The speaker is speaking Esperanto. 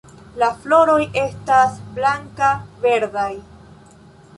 La floroj estas blanka-verdaj.